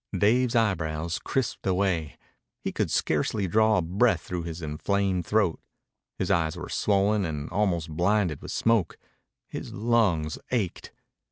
Dave's eyebrows crisped away. He could scarcely draw a breath through his inflamed throat. His eyes were swollen and almost blinded with smoke. His lungs ached.